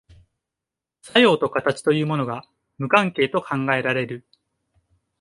作用と形というものが無関係と考えられる。